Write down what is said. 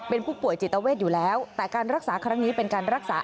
เป็นผู้ป่วยจิตเวทอยู่แล้วแต่การรักษาครั้งนี้เป็นการรักษา